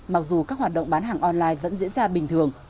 mặc dù các hoạt động bán hàng online vẫn diễn ra bình thường